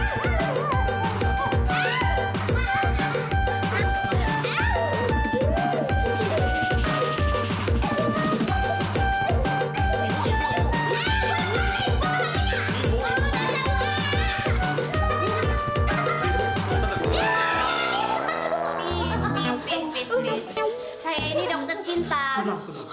bapak yang di maaf